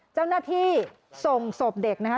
เจ้าหน้าที่ส่งศพเด็กนะคะ